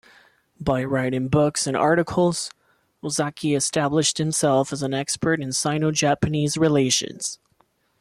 By writing books and articles Ozaki established himself as an expert in Sino-Japanese relations.